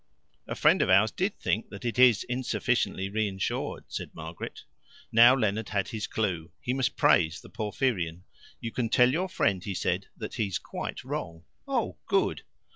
"A friend of ours did think that it is unsufficiently reinsured," said Margaret. Now Leonard had his clue. He must praise the Porphyrion. "You can tell your friend," he said, "that he's quite wrong." "Oh, good!"